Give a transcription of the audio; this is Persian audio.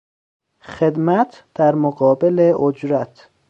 خدمت در مقابل اجرت